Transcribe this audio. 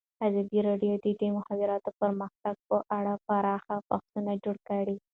ازادي راډیو د د مخابراتو پرمختګ په اړه پراخ بحثونه جوړ کړي.